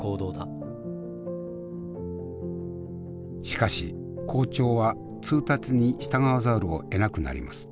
しかし校長は通達に従わざるをえなくなります。